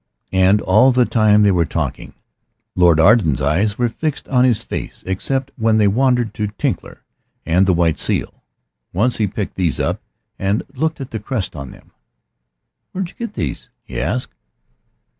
And all the time they were talking Lord Arden's eyes were fixed on his face, except when they wandered to Tinkler and the white seal. Once he picked these up, and looked at the crest on them. "Where did you get these?" he asked.